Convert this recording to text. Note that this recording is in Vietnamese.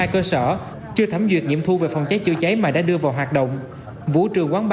hai cơ sở chưa thẩm duyệt nhiệm thu về phòng cháy chữa cháy mà đã đưa vào hoạt động vũ trường quán